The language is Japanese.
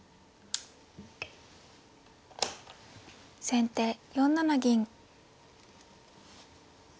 先手４七銀。